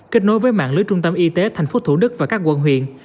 kết nối với mạng lưới trung tâm y tế tp thủ đức và các quận huyện